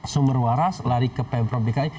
sumber waras lari ke pemprov dki